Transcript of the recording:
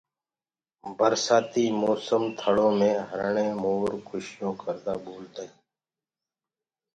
برسآتي موسم ٿݪو مي هرڻي مور کُشيون ڪردآ ٻولدآئين